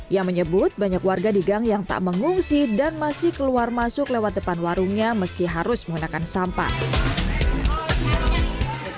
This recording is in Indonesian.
ia menyebut banyak warga di gang yang tak mengungsi dan masih keluar masuk lewat depan warungnya meski harus menggunakan sampah